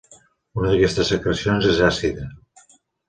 Una d'aquestes secrecions és àcida.